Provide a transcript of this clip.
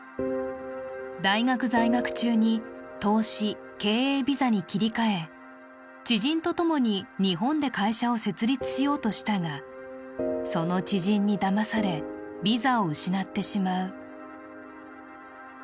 大学在学中に投資・経営ビザに切り替え、知人とともに日本で会社を設立しようとしたが、その知人にだまされビザを失ってしまう。